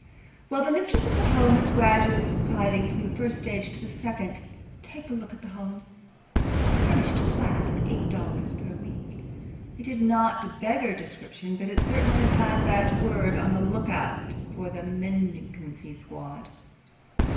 While the mistress of the home is gradually subsiding from the first stage to the second, take a look at the home. A furnished flat at $8 per week. It did not exactly beggar description, but it certainly had that word on the lookout for the mendicancy squad.